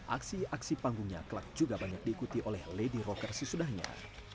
aksi aksi panggungnya kelak juga banyak diikuti oleh lady rocker sesudahnya